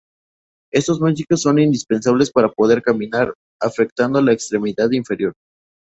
Estos músculos son indispensables para poder caminar, afectando la extremidad inferior.